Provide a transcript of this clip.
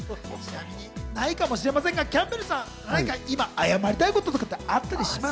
ないかもしれませんが、キャンベルさん、何か今謝りたいことあったりします？